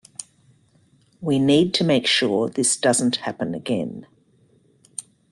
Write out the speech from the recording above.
We need to make sure this doesn't happen again.